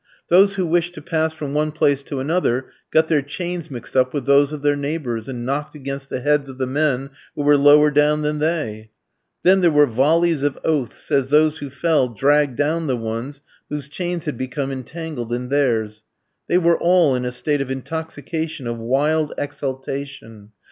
Those who wished to pass from one place to another got their chains mixed up with those of their neighbours, and knocked against the heads of the men who were lower down than they. Then there were volleys of oaths as those who fell dragged down the ones whose chains had become entangled in theirs. They were all in a state of intoxication of wild exultation.